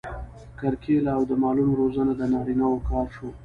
کرکیله او د مالونو روزنه د نارینه وو کار شو.